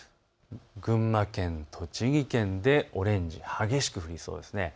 群馬県、栃木県でオレンジ、激しく降りそうです。